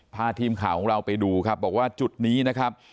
พาทีมข่าวของเราไปดูครับบอกว่าจุดนี้นะครับ